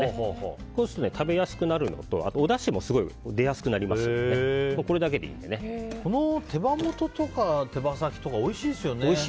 こうすると食べやすくなるのとおだしも出やすくなりますので手羽元とか手羽先とかおいしいですよね。